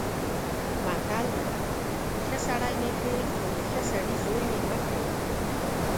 متل دی: ښه سړی مې کړې خو د ښه سړي زوی مې مه کړې.